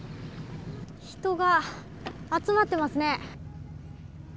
人が集まってますね。